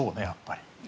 やっぱり。